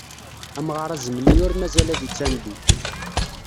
Amɣar azemni ur mazal ad ittandi.